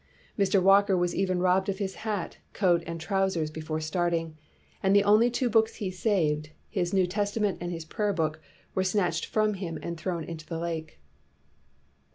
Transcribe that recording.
Mr. Walker was even robbed of his hat, coat, and trousers before starting, and the only two books he had saved, his New Tes 257 WHITE MAN OF WORK tament and prayer book, were snatched from him and thrown into the lake.